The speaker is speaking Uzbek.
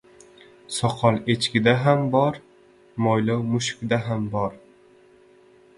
• Soqol echkida ham bor, mo‘ylov mushukda ham bor.